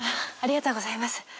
ありがとうございます。